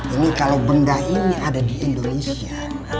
ini kalau benda ini ada di indonesia